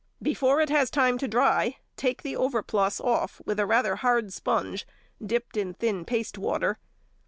Before it has time to dry, take the overplus off with rather a hard sponge, dipped in thin paste water.